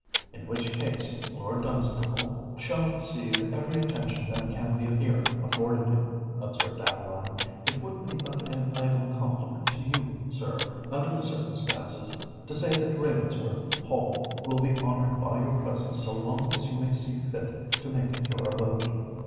"In which case Lord Dunstable shall receive every attention that can be here afforded him," observed Adeline. "It would be but an idle compliment to you, sir, under the circumstances, to say that Ravensworth Hall will be honoured by your presence so long as you may see fit to make it your abode."